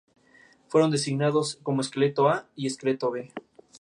Fueron designados como "Esqueleto A" y "Esqueleto B".